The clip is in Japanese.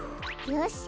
よし！